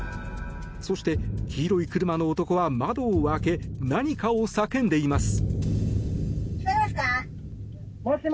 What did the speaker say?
そして、黄色い車の男は窓を開け何かを叫んでいます。